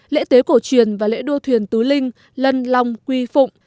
lễ khao lề thế cổ truyền và lễ đua thuyền tứ linh lân lòng quy phụng